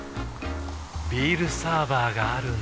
ビールサーバーがある夏。